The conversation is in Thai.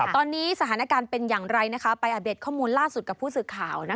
ตอนนี้สถานการณ์เป็นอย่างไรไปอัปเดตข้อมูลล่าสุดกับผู้สื่อข่าว